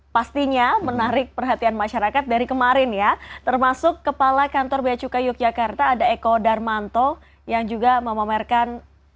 pastinya menarik perhatian masyarakat dari kemarin ya termasuk kepala kantor beacukai yogyakarta ada eko darmanto yang juga memamerkan